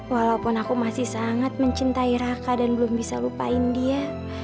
walaupun aku masih sangat mencintai raka dan belum bisa lupain dia